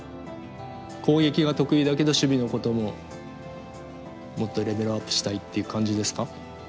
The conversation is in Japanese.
攻撃が得意だけど守備のことももっとレベルアップしたいっていう感じですか？